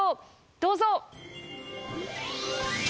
どうぞ！